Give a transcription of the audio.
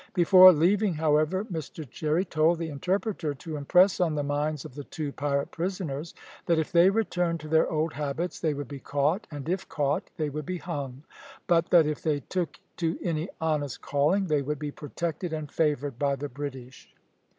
Before leaving, however, Mr Cherry told the interpreter to impress on the minds of the two pirate prisoners that, if they returned to their old habits, they would be caught, and if caught they would be hung, but that if they took to any honest calling they would be protected and favoured by the British.